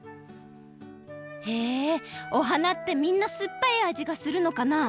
へえお花ってみんなすっぱいあじがするのかな？